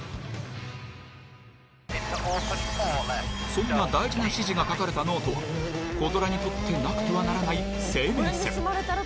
そんな大事な指示が書かれたノートはコ・ドラにとってなくてはならない生命線。